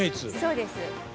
そうです。